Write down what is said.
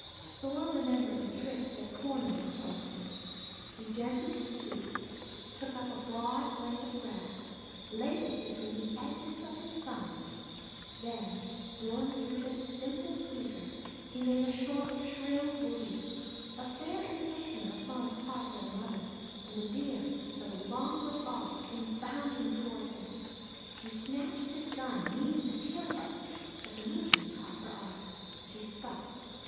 Thor remembered a trick that Corney had told him. He gently stooped, took up a broad blade of grass, laid it between the edges of his thumbs, then blowing through this simple squeaker he made a short, shrill bleat, a fair imitation of a Fawn's cry for the mother, and the Deer, though a long way off, came bounding toward him. He snatched his gun, meaning to kill her, but the movement caught her eye. She stopped.